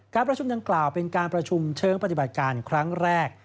ประชุมดังกล่าวเป็นการประชุมเชิงปฏิบัติการครั้งแรก